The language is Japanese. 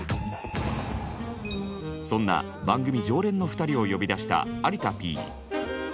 そんな番組常連の２人を呼び出した有田Ｐ。